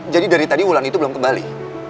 jadi dari tadi wulan itu belum kembali